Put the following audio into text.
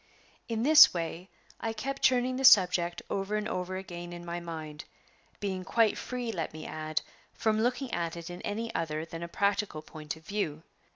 In this way I kept turning the subject over and over again in my mind, being quite free, let me add, from looking at it in any other than a practical point of view.